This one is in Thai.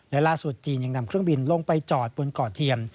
และล่าสุดจีนยังนำเครื่องบินลงไปจอดบนเกาะเทียม